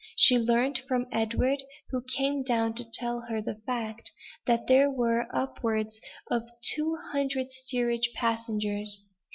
She learnt from Edward, who came down to tell her the fact, that there were upwards of two hundred steerage passengers.